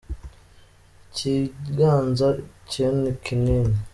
Ikiganza cyenni kinini.